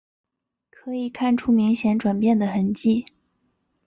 可以看出明显转变的痕迹